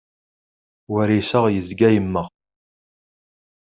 War iseɣ, yezga yemmeɣ.